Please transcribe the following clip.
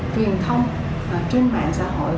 truyền thông trên mạng xã hội